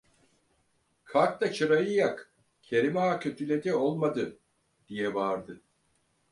Kalk da çırayı yak… Kerim Ağa kötüledi olmalı! diye bağırdı.